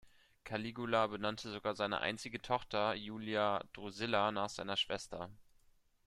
Caligula benannte sogar seine einzige Tochter Iulia Drusilla nach seiner Schwester.